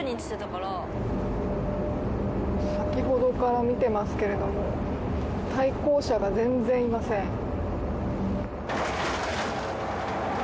先ほどから見てますけれども対向車が全然いません。